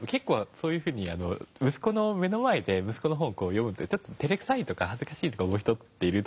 そういうふうに息子の目の前で息子の本を読むっててれくさいとか恥ずかしいとか思う人っていると思うんですよね。